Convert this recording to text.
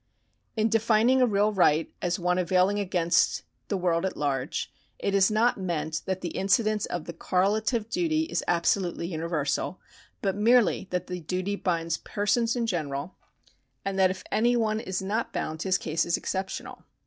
In defining a real right as one availing against the world at large, it is not meant that the incidence of the correlative duty is absolutely universal, but merely that the duty binds persons in general, and that if any one is not bound his case is excej)tional.